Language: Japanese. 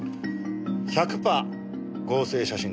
１００パー合成写真です。